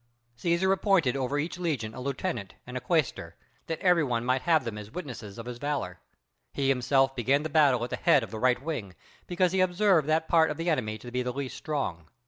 Cæsar appointed over each legion a lieutenant and a quæstor, that every one might have them as witnesses of his valor. He himself began the battle at the head of the right wing, because he had observed that part of the enemy to be the least strong.